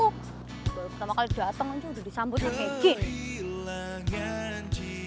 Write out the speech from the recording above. udah pertama kali dateng aja udah disambutnya kayak gini